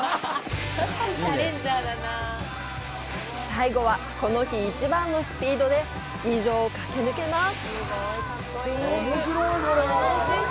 最後は、この日一番のスピードでスキー場を駆け抜けます！